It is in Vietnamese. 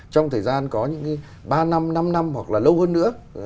trong thời gian có những ba năm năm năm hoặc là lâu hơn nữa